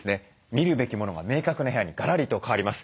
見るべきものが明確な部屋にガラリと変わります。